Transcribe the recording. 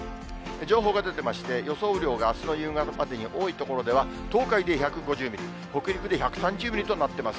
情報が出てまして、予想雨量があすの夕方までに多い所では東海で１５０ミリ、北陸で１３０ミリとなっています。